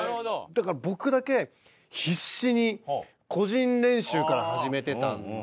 だから僕だけ必死に個人練習から始めてたんで。